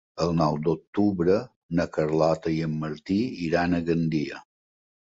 El nou d'octubre na Carlota i en Martí iran a Gandia.